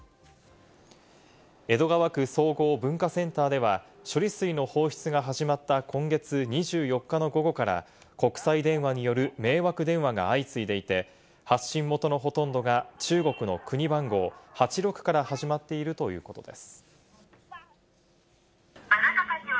江戸川区総合文化センターでは、処理水の放出が始まった今月２４日の午後から国際電話による迷惑電話が相次いでいて、発信元のほとんどが中国の国番号、８６から始まっているということです。